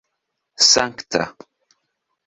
sankta